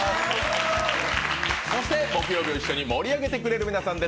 そして木曜日を一緒に盛り上げてくれる皆さんです。